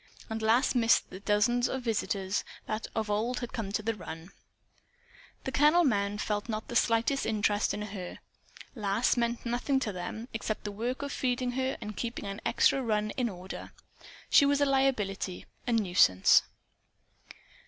And Lass missed the dozens of visitors that of old had come to the run. The kennel men felt not the slightest interest in her. Lass meant nothing to them, except the work of feeding her and of keeping an extra run in order. She was a liability, a nuisance.